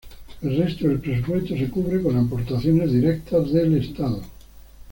El resto del presupuesto se cubre con aportaciones directas del estado.